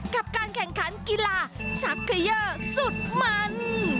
กับการแข่งขันกีฬาชักเขย่อสุดมัน